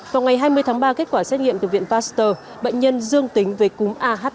vào ngày hai mươi tháng ba kết quả xét nghiệm từ viện pasteur bệnh nhân dương tính về cúm ah năm